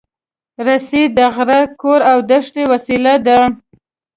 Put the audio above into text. رسۍ د غره، کور، او دښتې وسیله ده.